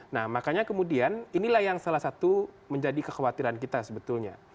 nah makanya kemudian inilah yang salah satu menjadi kekhawatiran kita sebetulnya